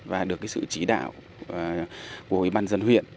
và được sự chỉ đạo của ủy ban dân huyện